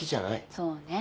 そうね。